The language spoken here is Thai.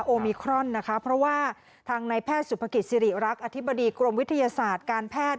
โอมิครอนนะคะเพราะว่าทางในแพทย์สุภกิจสิริรักษ์อธิบดีกรมวิทยาศาสตร์การแพทย์